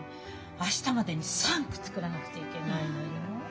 明日までに３句作らなくちゃいけないのよ。